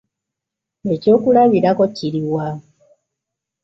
Ekyokulabirako kiri wa?